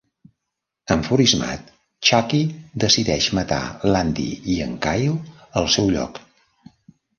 Enfurismat, Chucky decideix matar l'Andy i en Kyle al seu lloc.